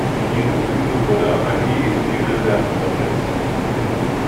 In diesem Zuge wurde Araki in die Reserve versetzt.